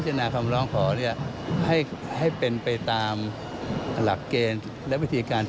จะแบ่งตามอำเภอใจไม่ได้ครับ